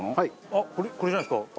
あっこれじゃないですか？